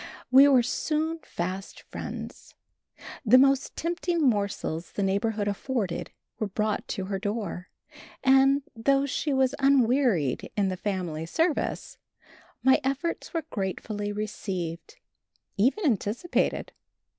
We were soon fast friends. The most tempting morsels the neighborhood afforded were brought to her door, and, though she was unwearied in the family service, my efforts were gratefully received, even anticipated.